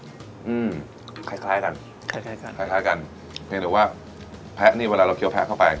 อืมคล้ายคล้ายกันคล้ายคล้ายกันคล้ายคล้ายกันเพียงแต่ว่าแพะนี่เวลาเราเคี้ยแพ้เข้าไป